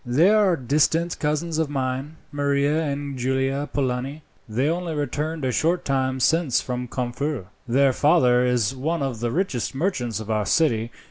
"They are distant cousins of mine, Maria and Giulia Polani. They only returned a short time since from Corfu. Their father is one of the richest merchants of our city.